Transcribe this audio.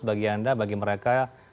bagi anda bagi mereka